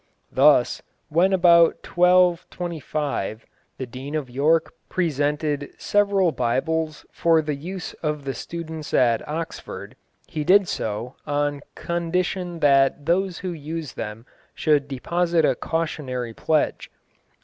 Thus, when about 1225 the Dean of York presented several Bibles for the use of the students of Oxford, he did so on condition that those who used them should deposit a cautionary pledge.